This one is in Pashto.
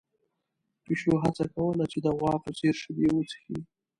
پيشو هڅه کوله چې د غوا په څېر شیدې وڅښي.